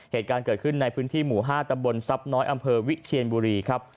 เหตุการณ์เกิดขึ้นในพื้นที่หมู่๕ตำบลทรัพย์น้อยอำเภอวิเชียนบุรีครับ